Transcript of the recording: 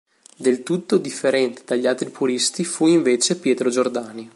Del tutto differente dagli altri puristi fu invece Pietro Giordani.